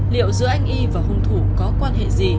liệu giữa anh y và hung thủ có quan hệ gì